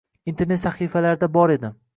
Internet sahifalarida bor edi